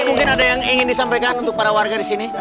mungkin ada yang ingin disampaikan untuk para warga disini